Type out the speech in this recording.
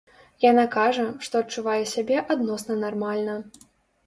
Яна кажа, што адчувае сябе адносна нармальна.